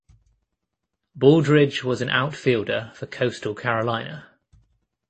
Baldridge was an outfielder for Coastal Carolina.